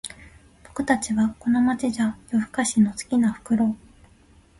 僕たちはこの街じゃ夜ふかしの好きなフクロウ